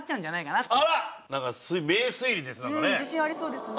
うん自信ありそうですね。